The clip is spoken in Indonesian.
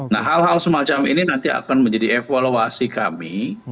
nah hal hal semacam ini nanti akan menjadi evaluasi kami